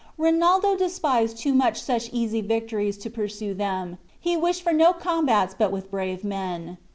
Rinaldo despised too much such easy victories to pursue them; he wished for no combats but with brave men.